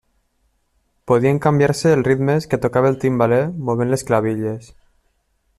Podien canviar-se els ritmes que tocava el timbaler movent les clavilles.